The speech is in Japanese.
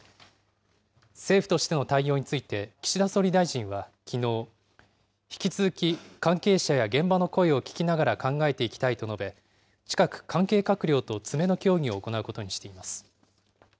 政府としての対応について、岸田総理大臣は、きのう、引き続き関係者や現場の声を聞きながら考えていきたいと述べ、近く関係閣僚と詰めの協議を行うことにしています。